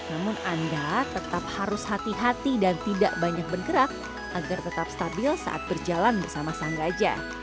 namun anda tetap harus hati hati dan tidak banyak bergerak agar tetap stabil saat berjalan bersama sang gajah